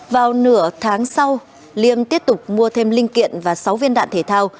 vào nửa tháng sau liêm tiếp tục mua thêm linh kiện và sáu viên đạn thể thao